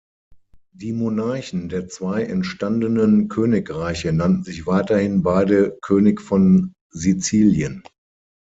Die Monarchen der zwei entstandenen Königreiche nannten sich weiterhin beide „König von Sizilien“.